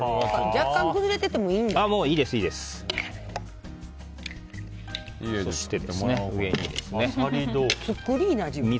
若干、崩れててもいいんですか。